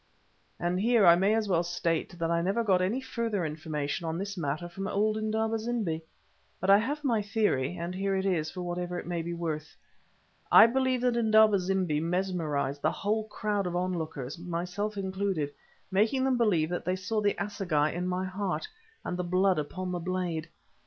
And here I may as well state that I never got any further information on this matter from old Indaba zimbi. But I have my theory, and here it is for whatever it may be worth. I believe that Indaba zimbi mesmerized the whole crowd of onlookers, myself included, making them believe that they saw the assegai in my heart, and the blood upon the blade.